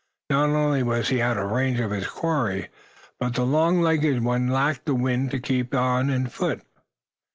Not only was he out of range of his quarry, but the long legged one lacked the wind to keep on on foot.